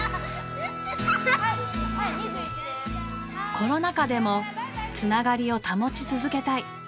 コロナ禍でも繋がりを保ち続けたい。